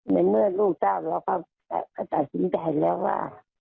ในเมื่อลูกชาติเราก็ตัดสิ้นได้แล้วว่า